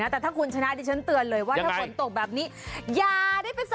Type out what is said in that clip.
แต่ถ้าคุณชนะไม่ต้องช้ะได้ไปสบองสบานอะไรที่ไหนล่ะ